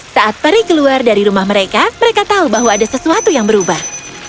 saat peri keluar dari rumah mereka mereka tahu bahwa ada sesuatu yang berubah